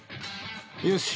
よし！